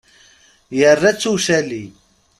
Yerra-tt i ucali.